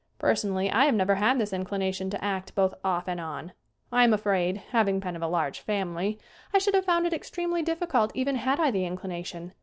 Personally I have never had this inclination to act both "off and on." I am afraid, having been of a large family, I should have found it extremely difficult even had I the inclination.